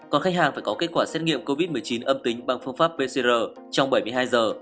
còn khách hàng phải có kết quả xét nghiệm covid một mươi chín âm tính bằng phương pháp pcr trong bảy mươi hai giờ